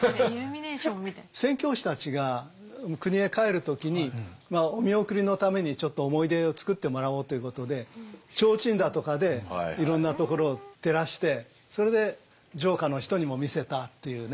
宣教師たちが国へ帰る時にまあお見送りのためにちょっと思い出をつくってもらおうということで提灯だとかでいろんなところを照らしてそれで城下の人にも見せたというね。